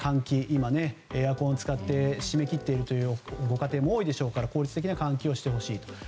今、エアコンを使って閉め切っているというご家庭も多いでしょうから効率的な換気をしてほしい。